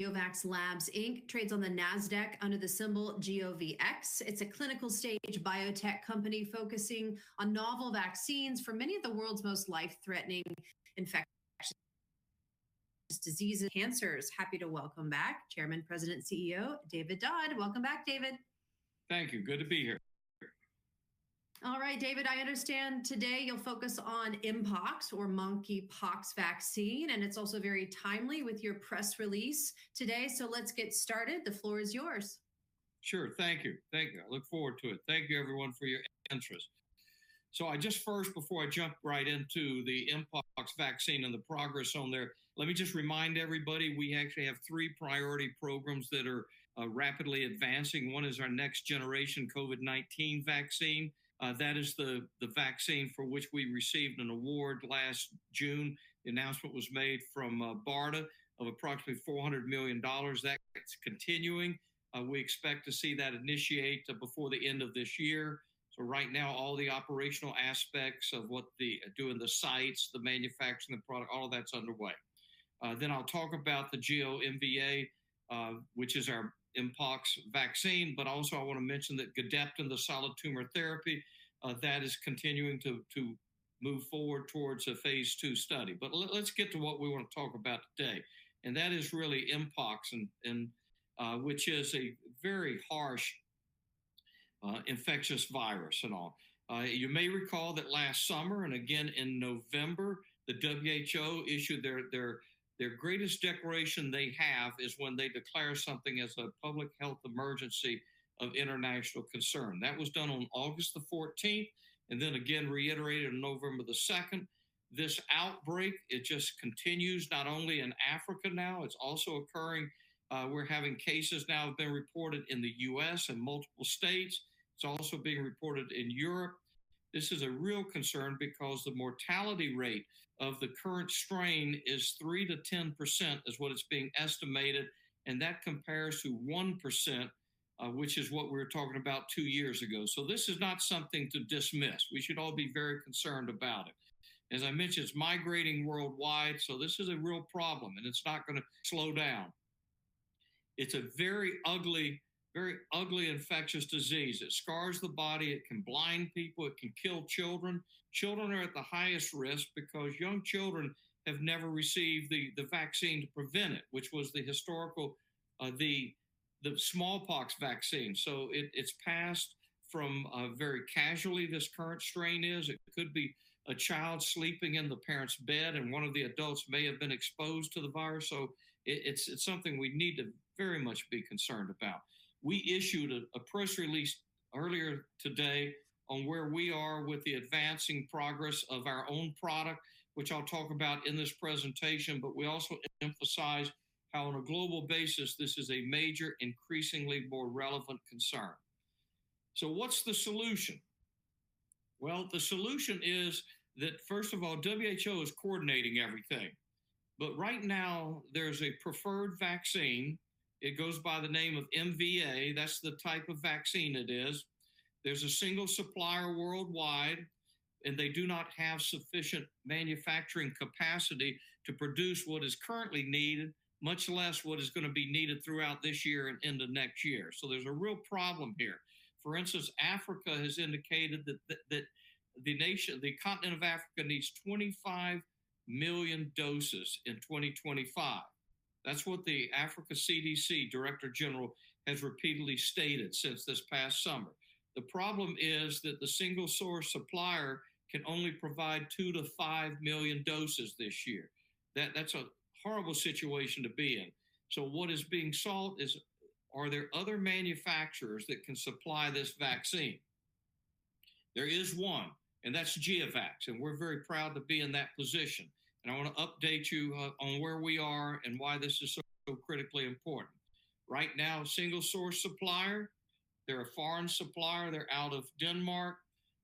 GeoVax Labs, trades on the Nasdaq under the symbol GOVX. It's a clinical-stage biotech company focusing on novel vaccines for many of the world's most life-threatening infectious diseases. Cancers. Happy to welcome back Chairman, President, CEO David Dodd. Welcome back, David. Thank you. Good to be here. All right, David, I understand today you'll focus on Mpox, or monkeypox vaccine, and it's also very timely with your press release today. Let's get started. The floor is yours. Sure. Thank you. Thank you. I look forward to it. Thank you, everyone, for your interest. I just first, before I jump right into the Mpox vaccine and the progress on there, let me just remind everybody we actually have three priority programs that are rapidly advancing. One is our next-generation COVID-19 vaccine. That is the vaccine for which we received an award last June. The announcement was made from BARDA of approximately $400 million. That's continuing. We expect to see that initiate before the end of this year. Right now, all the operational aspects of what the doing the sites, the manufacturing, the product, all of that's underway. I will talk about the GEO-MVA, which is our Mpox vaccine, but also I want to mention that Gedeptin, the solid tumor therapy, that is continuing to move forward towards a Phase two study. Let's get to what we want to talk about today. That is really Mpox, which is a very harsh infectious virus and all. You may recall that last summer, and again in November, the WHO issued their greatest declaration they have is when they declare something as a Public Health Emergency of International Concern. That was done on August 14, and then again reiterated on November 2. This outbreak, it just continues not only in Africa now, it's also occurring. We're having cases now have been reported in the U.S. and multiple states. It's also being reported in Europe. This is a real concern because the mortality rate of the current strain is 3-10% is what it's being estimated, and that compares to 1%, which is what we were talking about two years ago. This is not something to dismiss. We should all be very concerned about it. As I mentioned, it's migrating worldwide, so this is a real problem, and it's not going to slow down. It's a very ugly, very ugly infectious disease. It scars the body. It can blind people. It can kill children. Children are at the highest risk because young children have never received the vaccine to prevent it, which was the historical smallpox vaccine. It's passed from very casually, this current strain is. It could be a child sleeping in the parent's bed, and one of the adults may have been exposed to the virus. It's something we need to very much be concerned about. We issued a press release earlier today on where we are with the advancing progress of our own product, which I'll talk about in this presentation, but we also emphasized how on a global basis this is a major increasingly more relevant concern. What's the solution? The solution is that, first of all, WHO is coordinating everything. Right now, there's a preferred vaccine. It goes by the name of MVA. That's the type of vaccine it is. There's a single supplier worldwide, and they do not have sufficient manufacturing capacity to produce what is currently needed, much less what is going to be needed throughout this year and into next year. There's a real problem here. For instance, Africa has indicated that the nation, the continent of Africa, needs 25 million doses in 2025. That's what the Africa CDC Director General has repeatedly stated since this past summer. The problem is that the single source supplier can only provide 2-5 million doses this year. That's a horrible situation to be in. What is being sold is, are there other manufacturers that can supply this vaccine? There is one, and that's GeoVax, and we're very proud to be in that position. I want to update you on where we are and why this is so critically important. Right now, single source supplier, they're a foreign supplier. They're out of Denmark.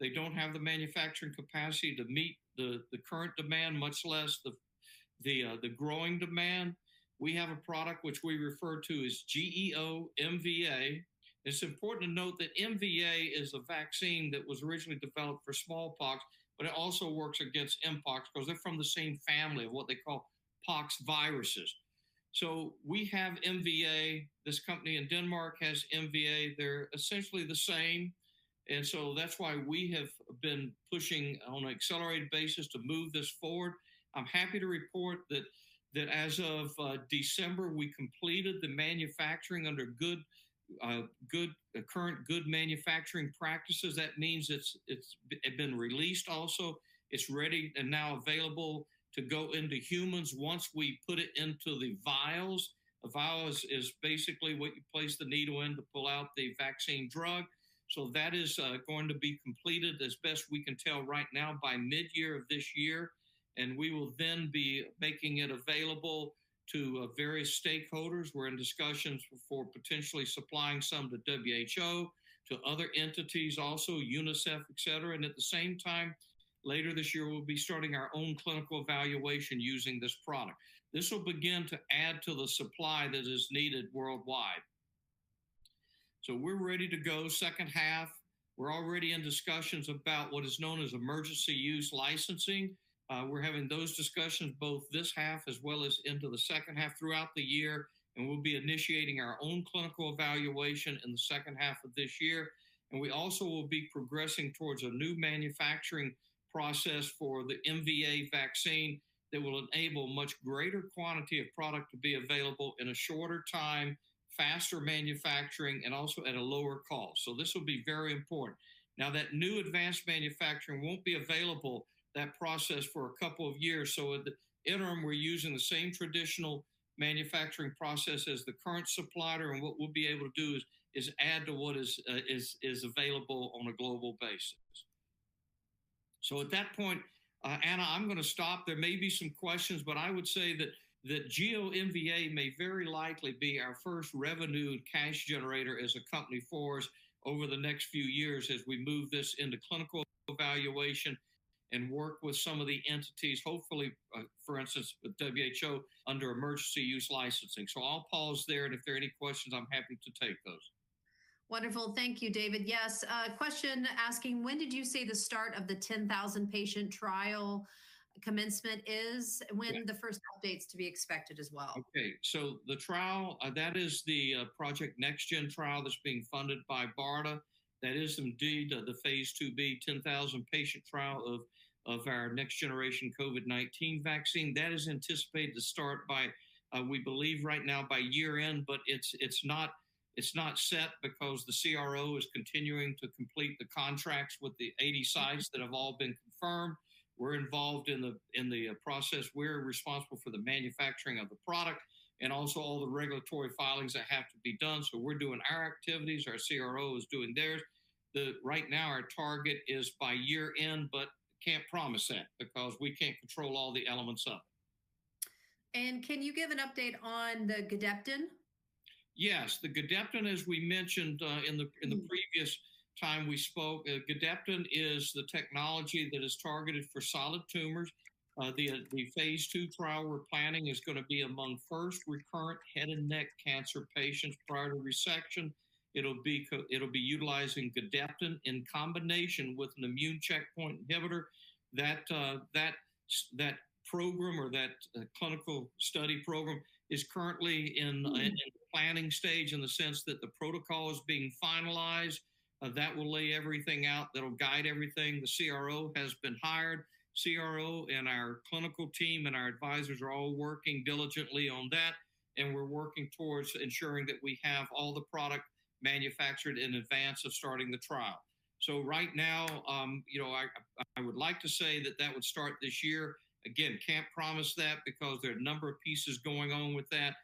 They don't have the manufacturing capacity to meet the current demand, much less the growing demand. We have a product which we refer to as GEO-MVA. It's important to note that MVA is a vaccine that was originally developed for smallpox, but it also works against Mpox because they're from the same family of what they call poxviruses. We have MVA. This company in Denmark has MVA. They're essentially the same. That is why we have been pushing on an accelerated basis to move this forward. I'm happy to report that as of December, we completed the manufacturing under current good manufacturing practices. That means it's been released also. It's ready and now available to go into humans once we put it into the vials. A vial is basically what you place the needle in to pull out the vaccine drug. That is going to be completed, as best we can tell right now, by midyear of this year. We will then be making it available to various stakeholders. We're in discussions for potentially supplying some to WHO, to other entities also, UNICEF, etc. At the same time, later this year, we'll be starting our own clinical evaluation using this product. This will begin to add to the supply that is needed worldwide. We're ready to go second half. We're already in discussions about what is known as emergency use licensing. We're having those discussions both this half as well as into the second half throughout the year. We'll be initiating our own clinical evaluation in the second half of this year. We also will be progressing towards a new manufacturing process for the MVA vaccine that will enable a much greater quantity of product to be available in a shorter time, faster manufacturing, and also at a lower cost. This will be very important. Now, that new advanced manufacturing won't be available, that process, for a couple of years. In the interim, we're using the same traditional manufacturing process as the current supplier. What we'll be able to do is add to what is available on a global basis. At that point, Anna, I'm going to stop. There may be some questions, but I would say that GEO-MVA may very likely be our first revenue and cash generator as a company for us over the next few years as we move this into clinical evaluation and work with some of the entities, hopefully, for instance, WHO under emergency use licensing. I'll pause there. If there are any questions, I'm happy to take those. Wonderful. Thank you, David. Yes. Question asking, when did you say the start of the 10,000-patient trial commencement is? When the first updates to be expected as well? Okay. The trial, that is the Project NextGen trial that's being funded by BARDA, is indeed the Phase 2b, 10,000-patient trial of our next-generation COVID-19 vaccine. That is anticipated to start by, we believe right now, by year-end, but it's not set because the CRO is continuing to complete the contracts with the 80 sites that have all been confirmed. We're involved in the process. We're responsible for the manufacturing of the product and also all the regulatory filings that have to be done. We're doing our activities. Our CRO is doing theirs. Right now, our target is by year-end, but can't promise that because we can't control all the elements of it. Can you give an update on the Gedeptin? Yes. The Gedeptin, as we mentioned in the previous time we spoke, Gedeptin is the technology that is targeted for solid tumors. The Phase 2 trial we're planning is going to be among first recurrent head and neck cancer patients prior to resection. It'll be utilizing Gedeptin in combination with an immune checkpoint inhibitor. That program or that clinical study program is currently in the planning stage in the sense that the protocol is being finalized. That will lay everything out. That'll guide everything. The CRO has been hired. CRO and our clinical team and our advisors are all working diligently on that. We are working towards ensuring that we have all the product manufactured in advance of starting the trial. Right now, I would like to say that that would start this year. Again, can't promise that because there are a number of pieces going on with that.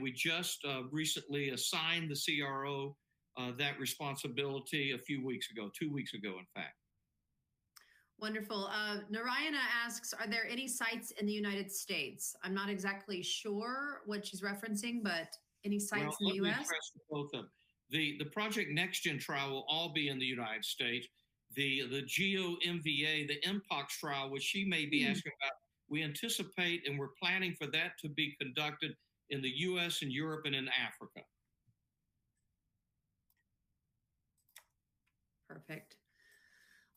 We just recently assigned the CRO that responsibility a few weeks ago, two weeks ago, in fact. Wonderful. Narayana asks, are there any sites in the United States? I'm not exactly sure what she's referencing, but any sites in the U.S.? No, we addressed both of them. The Project NextGen trial will all be in the U.S. The GEO-MVA, the Mpox trial, which she may be asking about, we anticipate and we're planning for that to be conducted in the U.S. and Europe and in Africa. Perfect.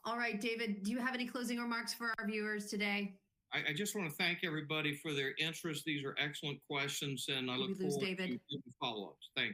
All right, David, do you have any closing remarks for our viewers today? I just want to thank everybody for their interest. These are excellent questions, and I look forward to getting follow-ups. Thank you.